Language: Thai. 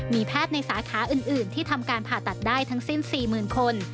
มีแพทย์ในสาขาอื่นที่ทำการผ่าตัดได้ทั้งสิ้น๔๐๐๐คน